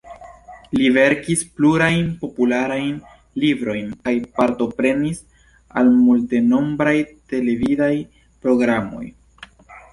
Li verkis plurajn popularajn librojn kaj partoprenis al multenombraj televidaj programoj.